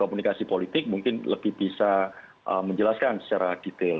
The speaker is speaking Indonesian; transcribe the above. komunikasi politik mungkin lebih bisa menjelaskan secara detail